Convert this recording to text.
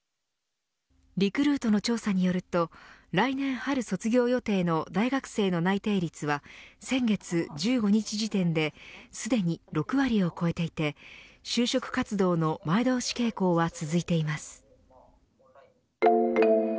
リクルートの調査によると来年春卒業予定の大学生の内定率は先月１５日時点ですでに６割を超えていて就職活動の前倒し傾向は続いています。